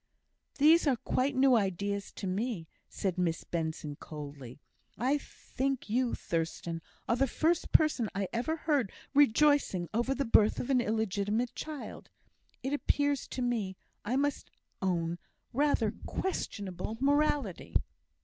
"These are quite new ideas to me," said Miss Benson, coldly. "I think you, Thurstan, are the first person I ever heard rejoicing over the birth of an illegitimate child. It appears to me, I must own, rather questionable morality."